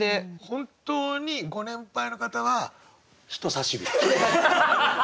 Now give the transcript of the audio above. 本当にご年配の方は人さし指。